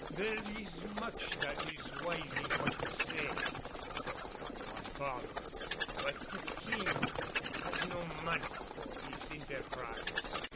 "There is much that is wise in what you say," said the Adelantado, "but the King has no money for this enterprise.